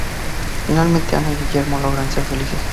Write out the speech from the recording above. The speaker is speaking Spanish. Finalmente Ana y Guillermo logran ser felices.